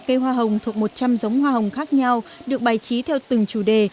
cây hoa hồng thuộc một trăm linh giống hoa hồng khác nhau được bày trí theo từng chủ đề